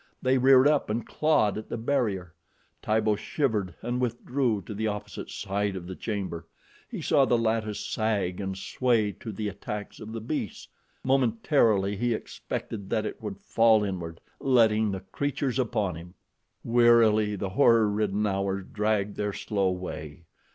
They reared up and clawed at the barrier. Tibo shivered and withdrew to the opposite side of the chamber. He saw the lattice sag and sway to the attacks of the beasts. Momentarily he expected that it would fall inward, letting the creatures upon him. Wearily the horror ridden hours dragged their slow way.